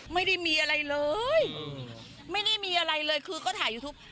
ไม่ได้มีอะไรเลยไม่ได้มีอะไรเลยคือก็ถ่ายยูทูป